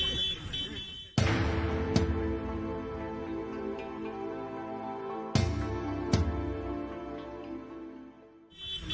ถ่อยมา